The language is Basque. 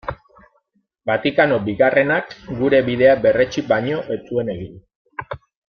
Vatikano Bigarrenak gure bidea berretsi baino ez zuen egin.